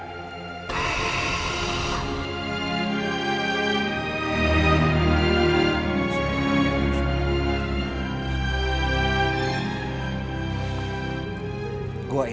jangan lupa untuk mematikan muka bumi